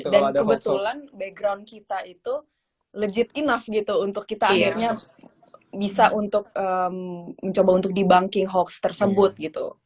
dan kebetulan background kita itu legit enough gitu untuk kita akhirnya bisa untuk mencoba untuk dibunking hoax tersebut gitu